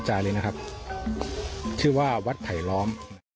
เลยนะครับชื่อว่าวัดไผลล้อม